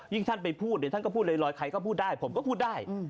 ท่านไปพูดเนี่ยท่านก็พูดลอยใครก็พูดได้ผมก็พูดได้